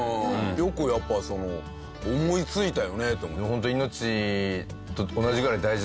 よくやっぱ思いついたよねと思う。